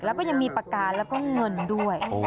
แล้วก็ยังมีปากกาแล้วก็เงินด้วย